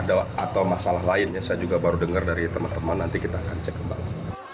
atau masalah lain yang saya juga baru dengar dari teman teman nanti kita akan cek kembali